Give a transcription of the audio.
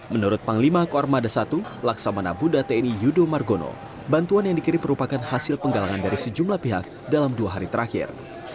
menurut panglima koarmada satu laksamana bunda tni yudo margono bantuan yang dikirim merupakan hasil penggalangan dari sejumlah pihak dalam dua hari terakhir